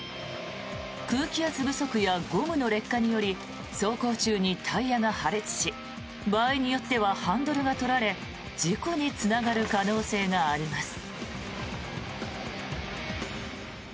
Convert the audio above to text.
空気圧不足やゴムの劣化により走行中にタイヤが破裂し場合によってはハンドルが取られ事故につながる可能性があります。